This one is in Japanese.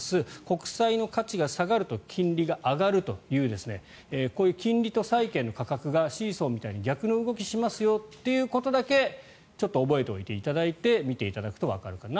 国債の価値が下がると金利が上がるというこういう金利と債券の価格がシーソーみたいに逆の動きをしますよということだけちょっと覚えておいていただいて見ていただくとわかるかなと。